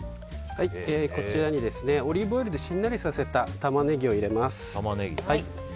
こちらに、オリーブオイルでしんなりさせたタマネギを入れます。